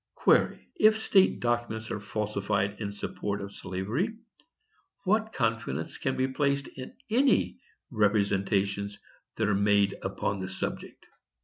_ Query: If state documents are falsified in support of slavery, what confidence can be placed in any representations that are made upon the subject?